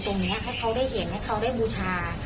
ให้เขาได้บูชา